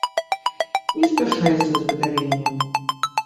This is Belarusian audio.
Не спяшайся з выдаленнем.